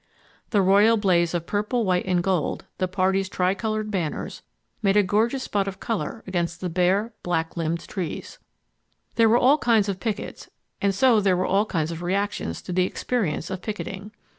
The royal blaze of purple, white and gold the Party's tricolored banners—made a gorgeous spot of color against the bare, blacklimbed trees. There were all kinds of pickets and so there were all kinds of reactions to the experience of picketing.